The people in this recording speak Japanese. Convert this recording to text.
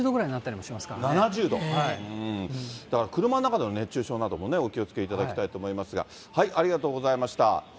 だから車の中でも熱中症などお気をつけいただきたいと思いますが、ありがとうございました。